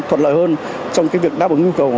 thuận lợi hơn trong việc đáp ứng nhu cầu